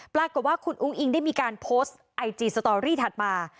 ปรากฏว่าคุณอุ้งอิงได้มีการโพสต์ไอจีสตอรี่ถัดมา